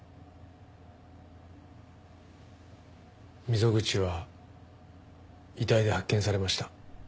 溝口は遺体で発見されました。